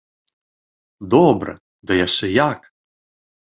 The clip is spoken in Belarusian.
Добра, ды яшчэ як!